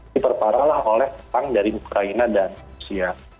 diperparahlah oleh perang dari ukraina dan rusia